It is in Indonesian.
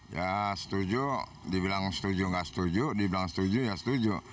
ya setuju dibilang setuju nggak setuju dibilang setuju ya setuju